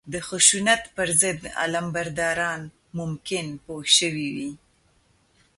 د خشونت پر ضد علمبرداران ممکن پوه شوي وي